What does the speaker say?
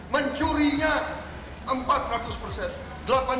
mencurinya empat ratus persen